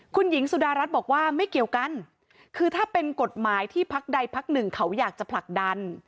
คุณหญิงสุดารัฐบอกว่าไม่เกี่ยวกันคือถ้าเป็นกฎหมายที่พักใดพักหนึ่งเขาอยากจะผลักดัน